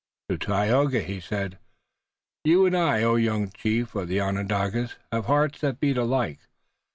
To Tayoga he said: "You and I, oh, young chief of the Onondagas, have hearts that beat alike.